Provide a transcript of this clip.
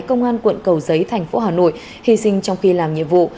công an quận cầu giấy thành phố hà nội hy sinh trong khi làm nhiệm vụ